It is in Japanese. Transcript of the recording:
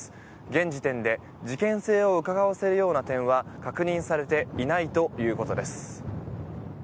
現時点で事件性をうかがわせるような点は確認されていないということです。